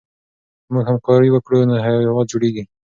که موږ همکاري وکړو نو هېواد جوړېږي.